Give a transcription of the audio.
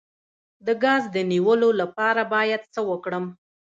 د ګاز د نیولو لپاره باید څه وکړم؟